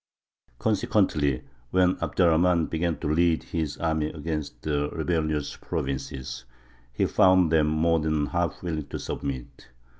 Consequently, when Abd er Rahmān began to lead his army against the rebellious provinces, he found them more than half willing to submit.